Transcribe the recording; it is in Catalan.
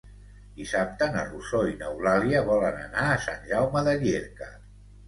Dissabte na Rosó i n'Eulàlia volen anar a Sant Jaume de Llierca.